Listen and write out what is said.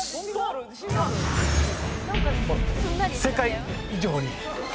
世界以上に。